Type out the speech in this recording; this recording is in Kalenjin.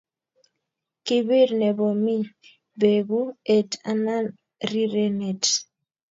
Kibir nebo mi beku et anan rirenet